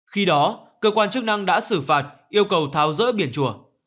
khi đó cơ quan chức năng đã xử phạt yêu cầu tháo rỡ biển chùa